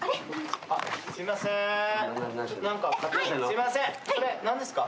すいませんそれ何ですか？